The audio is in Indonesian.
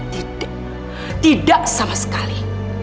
tidak tidak sama sekali